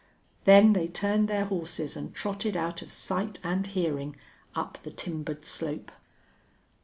Then they turned their horses and trotted out of sight and hearing up the timbered slope.